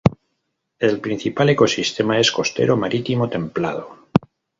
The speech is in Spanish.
El principal ecosistema es costero marítimo templado.